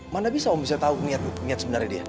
mana bisa om bisa tahu niat sebenarnya dia